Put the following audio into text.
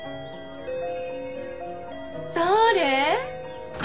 誰？